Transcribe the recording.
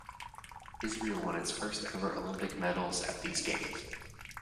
Israel won its first ever Olympic medals at these Games.